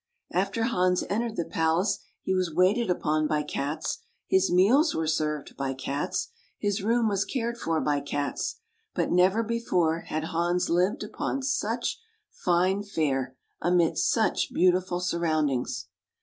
After Hans entered the palace he was waited upon by Cats, his meals were served by Cats, his room was cared' for by Cats: but never before had Hans lived upon such fine fare, amidst such beautiful surroundings.